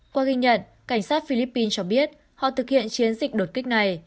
qua ghi nhận cảnh sát philippines cho biết họ thực hiện chiến dịch đột kích này